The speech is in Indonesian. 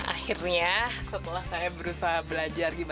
akhirnya setelah saya berusaha belajar gimana